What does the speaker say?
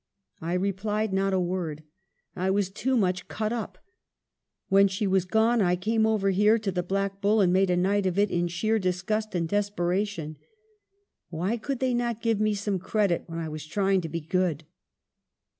I replied not a word. I was too much cut up. When she was gone, I came over here to the " Black Bull " and made a night of it in sheer disgust and desperation. Why could they not give me some credit when I was trying to be good